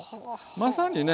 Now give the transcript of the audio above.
まさにね